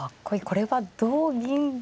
これは同銀ですと。